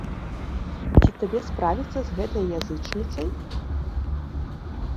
Ці табе справіцца з гэтай язычніцай?